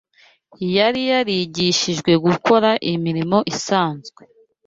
yari yarigishijwe gukora imirimo isanzwe